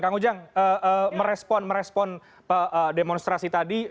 kang ujang merespon merespon demonstrasi tadi